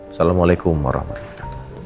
assalamualaikum warahmatullahi wabarakatuh